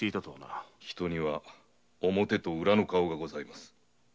人には表と裏の顔がございます。